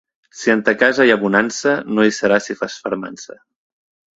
Si en ta casa hi ha bonança, no hi serà si fas fermança.